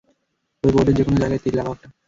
ওই বোর্ডের যেকোনো জায়গায় তীর লাগাও একটা।